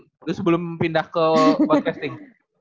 terus sebelum pindah ke broadcasting